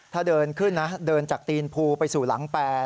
ถ้าเดินขึ้นนะเดินจากตีนภูไปสู่หลังแปร